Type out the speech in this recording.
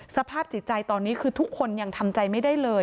สภาพจิตใจตอนนี้คือทุกคนยังทำใจไม่ได้เลย